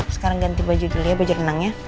sekarang ganti baju dulu ya baju renangnya